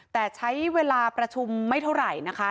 แต่ใช้เวลาประชุมไม่เท่าไหร่นะคะ